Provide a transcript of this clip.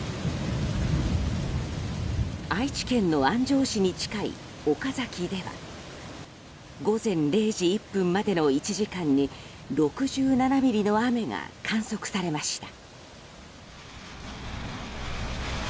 愛知県の安城市に近い岡崎では午前０時１分までの１時間に６７ミリの雨が観測されました。